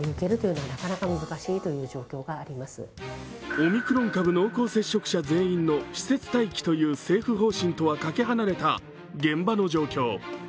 オミクロン株濃厚接触者全員の施設待機という政府方針とはかけ離れた現場の状況。